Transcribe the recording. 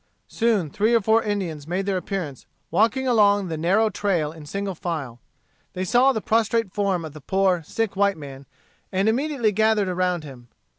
Soon three or four Indians made their appearance walking along the narrow trail in single file. They saw the prostrate form of the poor, sick white man, and immediately gathered around him.